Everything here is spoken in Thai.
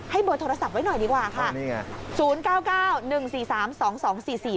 ให้เบิร์ดโทรศัพท์ไว้หน่อยดีกว่าค่ะตอนนี้ไง